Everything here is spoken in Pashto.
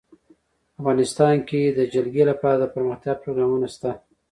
افغانستان کې د جلګه لپاره دپرمختیا پروګرامونه شته.